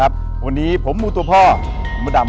ขอบคุณพี่โจ้ด้วยครับ